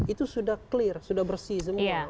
itu sudah clear sudah bersih semua